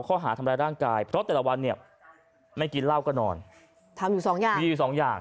ข้อหาทำร้ายร่างกายเพราะแต่ละวันเนี่ยไม่กินเหล้าก็นอนทำอยู่สองอย่างมีอยู่สองอย่าง